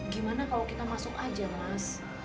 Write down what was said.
gimana kalau kita masuk aja mas